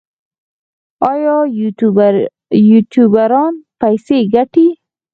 آیا یوټیوبران پیسې ګټي؟